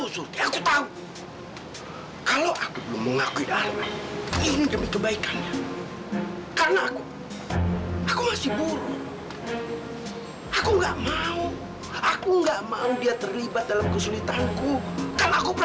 sampai jumpa di video selanjutnya